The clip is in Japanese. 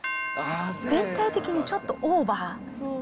全体的にちょっとオーバー。